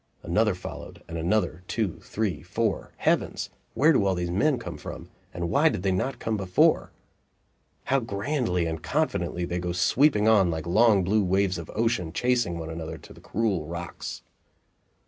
Another followed, and another; two three four! Heavens! where do all these men come from, and why did they not come before? How grandly and confidently they go sweeping on like long blue waves of ocean chasing one another to the cruel rocks!